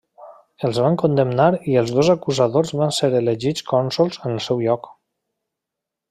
Els van condemnar i els dos acusadors van ser elegits cònsols en el seu lloc.